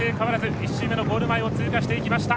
１周目のゴール前を通過していきました。